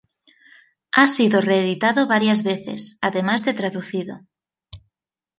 Ha sido reeditado varias veces, además de traducido.